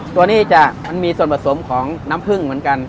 ตัวนี้มันมีส่วนประส่งของน้ำพึงเหมือนกัน